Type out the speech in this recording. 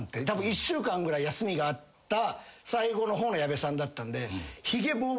たぶん１週間ぐらい休みがあった最後の方の矢部さんだったんで。